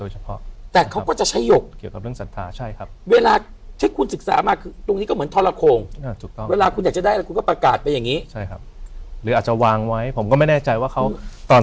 รวดลายตรงนี้นะครับมันจะเหมือนหน้าคน